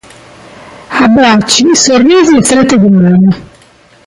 Abbracci, sorrisi e strette di mano.